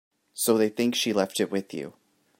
So they think she left it with you.